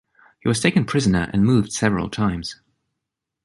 He was taken prisoner and moved several times.